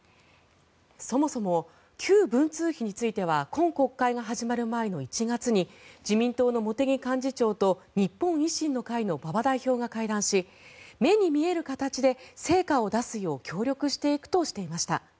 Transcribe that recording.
そもそも旧文通費については今国会が始まる前の１月に自民党の茂木幹事長と日本維新の会の馬場代表が会談し目に見える形で成果を出すよう協力していくとしていました。